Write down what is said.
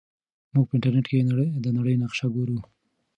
موږ په انټرنیټ کې د نړۍ نقشه ګورو.